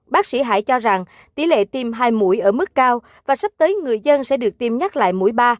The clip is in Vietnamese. bác sĩ hải cho rằng tỉ lệ tim hai mũi ở mức cao và sắp tới người dân sẽ được tim nhắc lại mũi ba